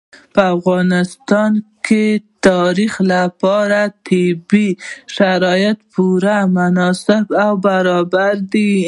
په افغانستان کې د تاریخ لپاره طبیعي شرایط پوره مناسب او برابر دي.